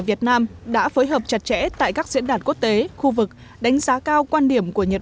việt nam đã phối hợp chặt chẽ tại các diễn đàn quốc tế khu vực đánh giá cao quan điểm của nhật